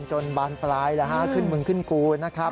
จนบานปลายขึ้นมึงขึ้นกูนะครับ